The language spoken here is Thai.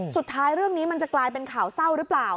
เรื่องนี้มันจะกลายเป็นข่าวเศร้าหรือเปล่า